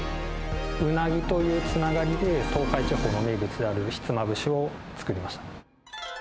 ウナギというつながりで、東海地方の名物であるひつまぶしを作りました。